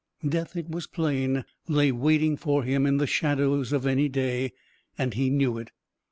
Death, it was plain, lay waiting for him in the shadows of any day and he knew it.